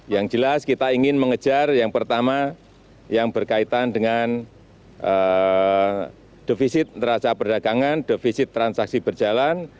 yang jelas kita ingin mengejar yang pertama yang berkaitan dengan defisit neraca perdagangan defisit transaksi berjalan